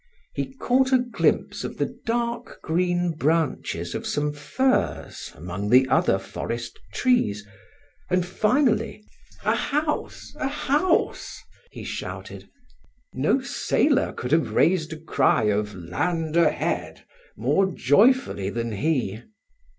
He caught a glimpse of the dark green branches of some firs among the other forest trees, and finally, "A house! a house!" he shouted. No sailor could have raised a cry of "Land ahead!" more joyfully than he.